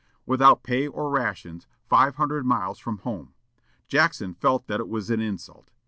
Without pay or rations, five hundred miles from home! Jackson felt that it was an insult.